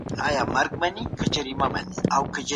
تاسي ولي دونه بې حوصلې او بې زړه سواست؟